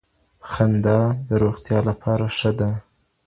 خندا د روغتیا لپاره ښه ده.